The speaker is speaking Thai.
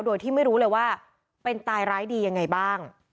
โดยที่ไม่รู้เลยว่าเป็นตายร้ายดียังไงบ้าง